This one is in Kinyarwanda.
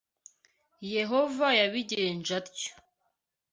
Yehova yabigenje atyo